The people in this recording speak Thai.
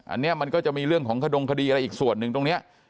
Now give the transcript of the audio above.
อันนี้มันก็จะมีเรื่องของขดงคดีอะไรอีกส่วนหนึ่งตรงนี้